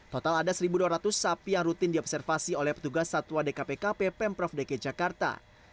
total ada satu dua ratus sapi yang rutin diobservasi oleh petugas satwa dkpkp pemprov dki jakarta